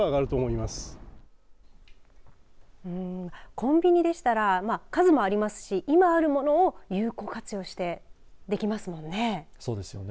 コンビニでしたら数もありますし今あるものを有効活用してできますもんね。